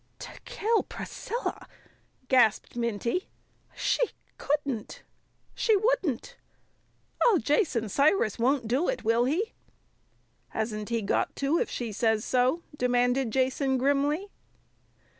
"To kill Priscilla!" gasped Minty. "She couldn't she wouldn't! Oh, Jason, Cyrus won't do it, will he?" "Hasn't he got to if she says so?" demanded Jason grimly.